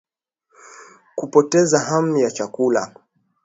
Kupoteza hamu ya chakula